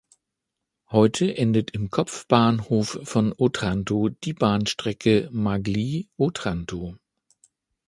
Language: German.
Heute endet im Kopfbahnhof von Otranto die Bahnstrecke Maglie–Otranto.